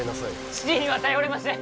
父には頼れません